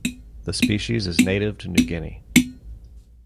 The species is native to New Guinea.